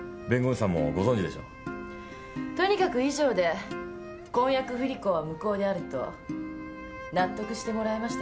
とにかく以上で婚約不履行は無効であると納得してもらえましたね？